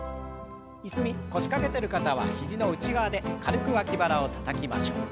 椅子に腰掛けてる方は肘の内側で軽く脇腹をたたきましょう。